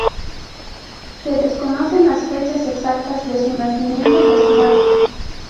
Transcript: Se desconocen las fechas exactas de su nacimiento y de su muerte.